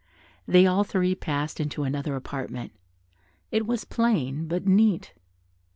They all three passed into another apartment. It was plain, but neat.